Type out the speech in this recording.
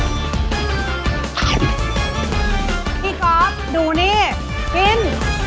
พี่ก๊อฟดูนี่กิน